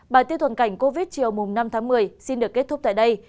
bài tiết thuận cảnh covid một mươi chín chiều năm một mươi xin được kết thúc tại đây